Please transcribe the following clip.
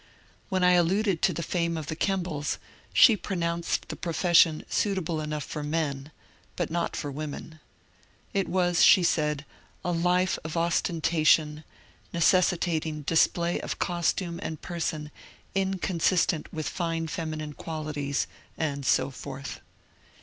When I alluded to the fame of the Kembles, she pronounced the profession suitable enough for men but not for women. It was, she said, a life of ostentation, necessitating display of costume and person inconsistent with fine feminine qualities, and so forth.